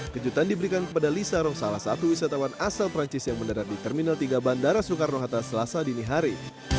kejutan diberikan kepada lisa roh salah satu wisatawan asal perancis yang mendarat di terminal tiga bandara soekarno hatta selasa dini hari